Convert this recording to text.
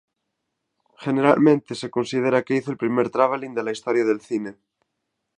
Generalmente se considera que hizo el primer travelling de la historia del cine.